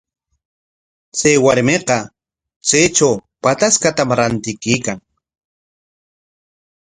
Chay warmiqa chaytraw pataskatam rantikuykan.